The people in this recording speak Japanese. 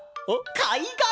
かいがら！